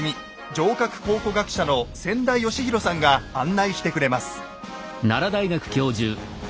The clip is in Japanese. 城郭考古学者の千田嘉博さんが案内してくれます。